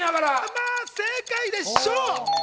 まぁ、正解でしょう。